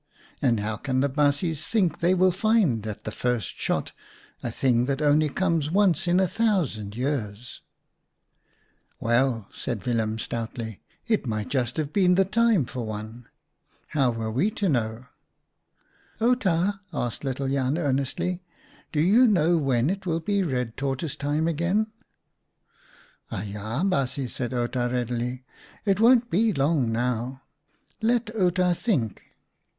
And how can the baasjes think they will find at the first shot a thing that only comes once in a thousand years ?" "Well," said Willem, stoutly, "it might just have been the time for one. How were we to know ?" I4d OUTA KAREL'S STORIES u Outa," asked little Jan, earnestly, " do you know when it will be red tortoise time again ?"" Aja, baasjes," said Outa readily, " it won't be long now. Let Outa think."